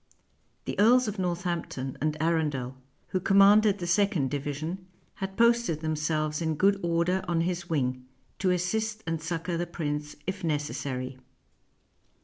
The earls of Northampton and Arundel, who commanded the second division, had posted themselves in good order on his wing, to assist and succor the prince if necessary.